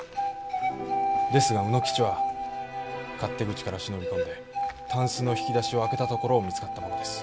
ですが卯之吉は勝手口から忍び込んで箪笥の引き出しを開けたところを見つかったものです。